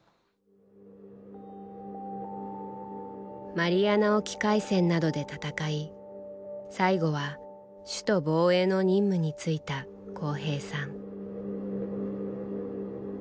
マリアナ沖海戦などで戦い最後は首都防衛の任務に就いた光平さん。